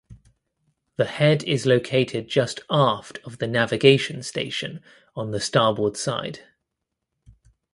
The head is located just aft of the navigation station on the starboard side.